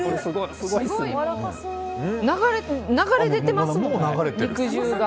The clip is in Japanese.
流れ出てますもんね、肉汁が。